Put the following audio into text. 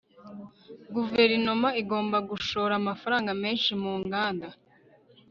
guverinoma igomba gushora amafaranga menshi mu nganda